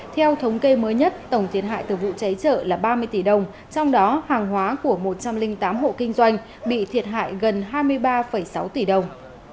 theo thống kê mới nhất tổng thiệt hại từ vụ cháy trợ là ba mươi tỷ đồng trong đó hàng hóa của một trăm linh tám hộ kinh doanh bị thiệt hại gần hai mươi ba sáu tỷ đồng